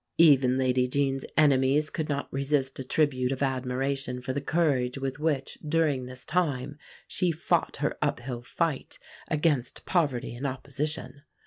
Even Lady Jean's enemies could not resist a tribute of admiration for the courage with which, during this time, she fought her uphill fight against poverty and opposition.